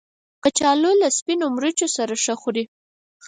کچالو له سپینو مرچو سره ښه خوري